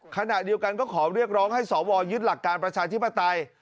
ขณะเดียวกันก็ขอเรียกร้องให้สวยึดหลักการประชาธิปไตย